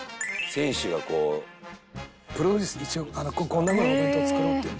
「選手がこう」「プロデュース」「一応こんなふうなお弁当作ろうっていうんで」